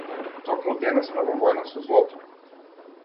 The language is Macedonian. Токму денес сме во војна со злото!